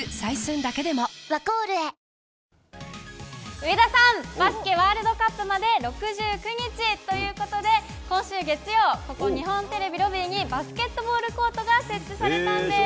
上田さん、バスケワールドカップまで６９日ということで、今週月曜、ここ日本テレビロビーにバスケットボールコートが設置されたんです。